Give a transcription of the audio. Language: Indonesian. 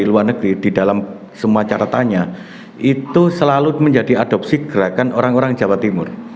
di luar negeri di dalam semua caratannya itu selalu menjadi adopsi gerakan orang orang jawa timur